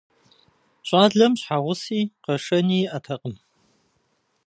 Щӏалэм щхьэгъуси къэшэни иӀэтэкъым.